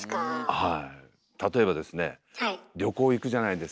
はい。